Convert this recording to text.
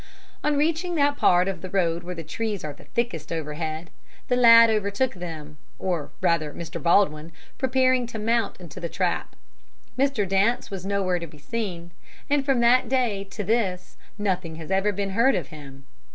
On reaching that part of the road where the trees are thickest overhead, the lad overtook them, or rather Mr. Baldwin, preparing to mount into the trap. Mr. Dance was nowhere to be seen. And from that day to this nothing has ever been heard of him.